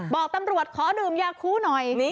บอกตำรวจขอดื่มยาคูหน่อย